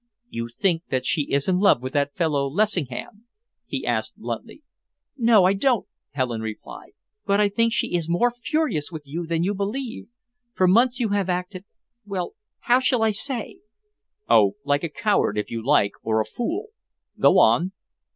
"You think that she is in love with that fellow Lessingham?" he asked bluntly. "No, I don't," Helen replied, "but I think she is more furious with you than you believe. For months you have acted well, how shall I say?" "Oh, like a coward, if you like, or a fool. Go on."